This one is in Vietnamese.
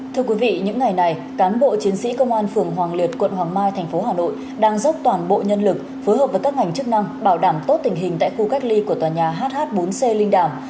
thưa quý vị những ngày này cán bộ chiến sĩ công an phường hoàng liệt quận hoàng mai thành phố hà nội đang dốc toàn bộ nhân lực phối hợp với các ngành chức năng bảo đảm tốt tình hình tại khu cách ly của tòa nhà hh bốn c linh đàm